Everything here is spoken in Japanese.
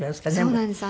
そうなんです。